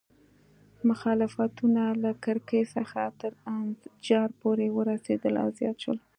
مخالفتونه له کرکې څخه تر انزجار پورې ورسېدل او زیات شول.